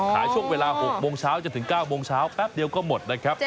ช่วงเวลา๖โมงเช้าจนถึง๙โมงเช้าแป๊บเดียวก็หมดนะครับ